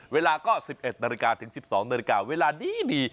เวลาก็๑๑นาฬิกาถึง๑๒นาฬิกาเวลาดี